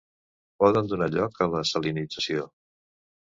Poden donar lloc a la salinització.